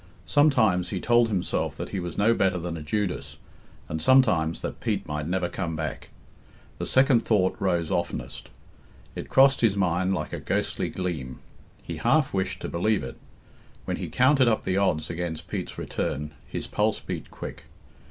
Sometimes he told himself that he was no better than a Judas, and sometimes that Pete might never come back. The second thought rose oftenest. It crossed his mind like a ghostly gleam. He half wished to believe it. When he counted up the odds against Pete's return, his pulse beat quick.